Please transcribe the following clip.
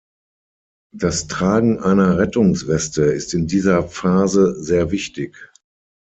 Das Tragen einer Rettungsweste ist in dieser Phase sehr wichtig.